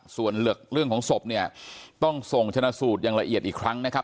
ส่วนเรื่องของศพเนี่ยต้องส่งชนะสูตรอย่างละเอียดอีกครั้งนะครับ